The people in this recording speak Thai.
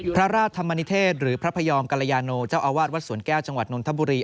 พระราชธรรมนิเทศหรือพระพยอมกรยาโนเจ้าอาวาสวัดสวนแก้วจังหวัดนนทบุรี